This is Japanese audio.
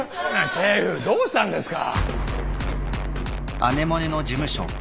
シェフどうしたんですか。